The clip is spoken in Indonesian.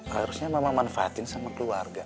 harusnya memang manfaatin sama keluarga